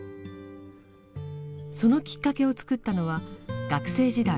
そのきっかけを作ったのは学生時代